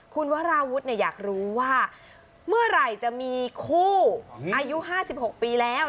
คุณวราวุฒิอยากรู้ว่าเมื่อไหร่จะมีคู่อายุ๕๖ปีแล้ว